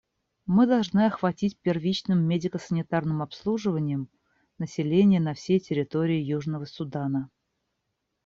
Мы должны охватить первичным медико-санитарным обслуживанием население на всей территории Южного Судана.